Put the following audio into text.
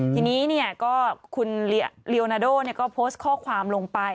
ทีนี้ก็คุณลีโอนาโดก็โพสต์ข้อความลงไป